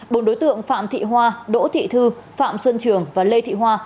bốn đối tượng phạm thị hoa đỗ thị thư phạm xuân trường và lê thị hoa